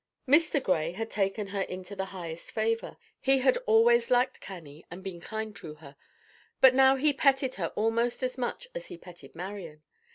Mr. Gray had taken her into the highest favor. He had always liked Cannie and been kind to her, but now he petted her almost as much as he petted Marian.